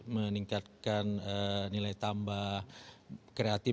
meningkatkan nilai tambah kreatif